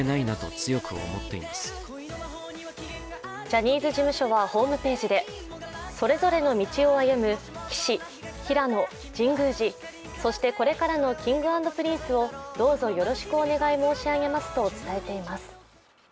ジャニーズ事務所はホームページでそれぞれの道を歩む、岸、平野、神宮寺、そしてこれからのＫｉｎｇ＆Ｐｒｉｎｃｅをどうぞよろしくお願い申し上げますと伝えています。